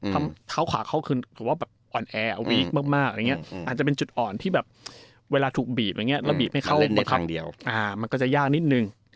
ขอบคุณว่าเขาอ่อนแอวีกมากอาจจะเป็นจุดอ่อนที่เวลาถูกบีบแล้วบีบไม่เข้าประทับมันก็จะยากนิดนึง